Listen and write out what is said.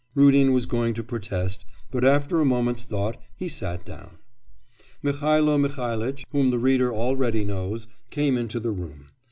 Rudin was going to protest, but after a moment's thought he sat down. Mihailo Mihailitch, whom the reader already knows, came into the room.